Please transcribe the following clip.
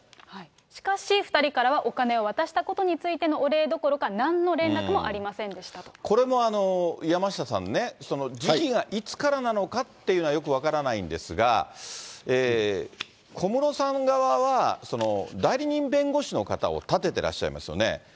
しかし、２人からはお金を渡したことについてのお礼どころか、なんの連絡これも、山下さんね、時期がいつからなのかっていうのは、よく分からないんですが、小室さん側は、代理人弁護士の方を立ててらっしゃいますよね。